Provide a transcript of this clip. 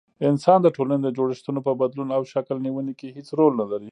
انسان د ټولني د جوړښتونو په بدلون او شکل نيوني کي هيڅ رول نلري